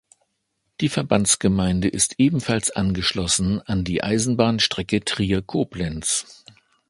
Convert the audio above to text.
Die Verbandsgemeinde ist ebenfalls angeschlossen an die Eisenbahnstrecke Trier-Koblenz.